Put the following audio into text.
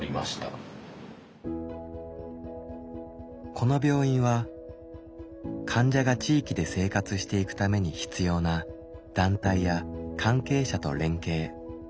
この病院は患者が地域で生活していくために必要な団体や関係者と連携。